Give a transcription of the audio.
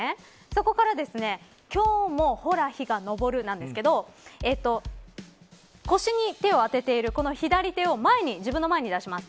そこから今日もほら陽が昇るなんですけれど腰に手を当てている左手を自分の前に出します。